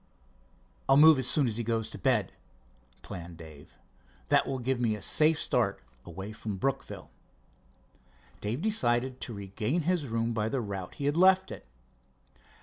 "I'll move as soon as he goes to bed," planned Dave. "That will give me a safe start away from Brookville." Dave decided to regain his room by the route he had left it.